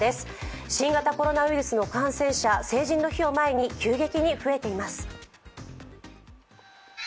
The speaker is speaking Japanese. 新型コロナウイルスの感染者、成人の日を前に急激に増えています。